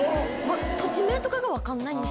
土地名とかが分かんないです。